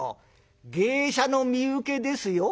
芸者の身請けですよ。